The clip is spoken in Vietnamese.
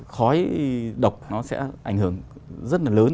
khói độc nó sẽ ảnh hưởng rất là lớn